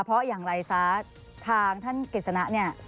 เพราะอย่างไรซะทางท่านกฤษณะเนี่ย